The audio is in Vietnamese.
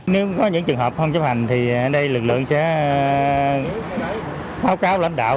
nếu có những trường hợp không chấp hành thì ở đây lực lượng sẽ báo cáo lãnh đạo